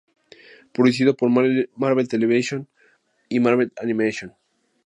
Producido por Marvel Television y Marvel Animation.